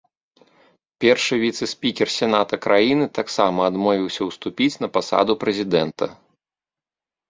Першы віцэ-спікер сената краіны таксама адмовіўся ўступіць на пасаду прэзідэнта.